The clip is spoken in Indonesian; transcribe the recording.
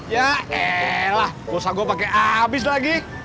ya elah bisa gue pakai abis lagi